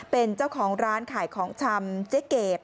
เป็นเจ้าของร้านขายของชำเจ๊เกด